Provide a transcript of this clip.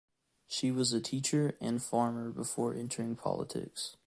She was a teacher and farmer before entering politics.